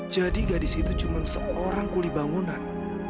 jadi kamu nggak disitu cuma seorang kulibangunan